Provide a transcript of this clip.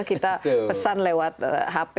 kita pesan lewat hp